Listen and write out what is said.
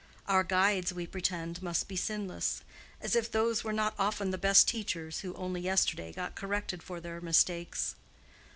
Our guides, we pretend, must be sinless: as if those were not often the best teachers who only yesterday got corrected for their mistakes.